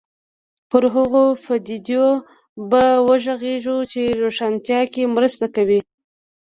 پر هغو پدیدو به وغږېږو چې روښانتیا کې مرسته کوي.